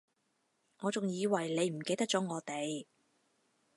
我仲以為你唔記得咗我哋